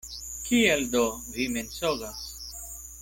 Kial do vi mensogas?